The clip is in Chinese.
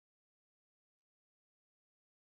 带更多现代风格轮圈。